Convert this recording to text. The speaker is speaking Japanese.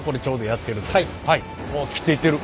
切っていってる。